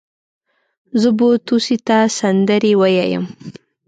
زه بو توسې ته سندرې ويايم.